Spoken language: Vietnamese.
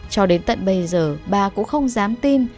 cho đến tận bây giờ bà cũng không dám tin